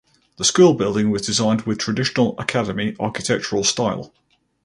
The school building was designed with traditional academy architectural style.